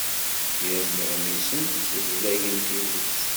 Kra n yiɣmisen ssezlagen tidet.